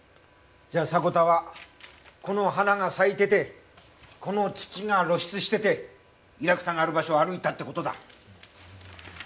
じゃあ迫田はこの花が咲いててこの土が露出しててイラクサがある場所を歩いたって事だ。